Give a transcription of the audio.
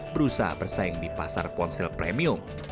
berusaha bersaing di pasar ponsel premium